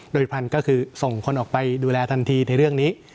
โดยพันธุ์ก็คือส่งคนออกไปดูแลทันทีในเรื่องนี้